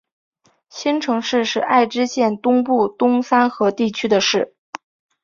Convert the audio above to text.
新城市是爱知县东部东三河地区的市。